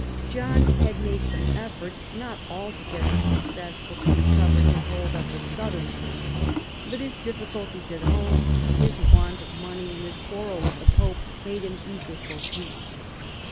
John had made some efforts, not altogether successful, to recover his hold of the southern lands, but his diffi culties at home, his want of money, and his quarrel with the pope made him eager for peace.